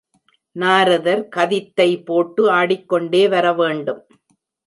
நாரதர் கதித்தை போட்டு ஆடிக் கொண்டே வரவேண்டும்.